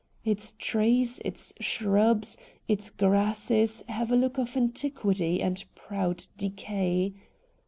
Its trees, its shrubs, its grasses have a look of antiquity and proud decay.